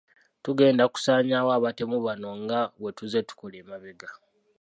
Tugenda kusaanyaawo abatemu bano nga bwe tuzze tukola emabega.